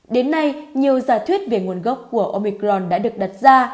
đến nay nhiều giả thuyết về nguồn gốc của omicron đã được đặt ra